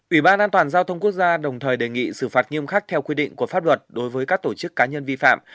ủy ban an toàn giao thông quốc gia đồng thời đề nghị xử phạt nghiêm khắc theo quy định của pháp luật đối với các tổ chức cá nhân vi phạm